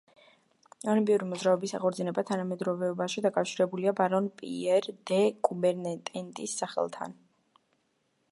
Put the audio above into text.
ოლიმპიური მოძრაობის აღორძინება თანამედროვეობაში დაკავშირებულია ბარონ პიერ დე კუბერტენის სახელთან.